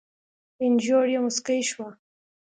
اينږور يې موسکۍ شوه.